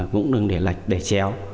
cũng đừng để lạch để chéo